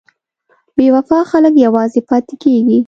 بې وفا خلک یوازې پاتې کېږي.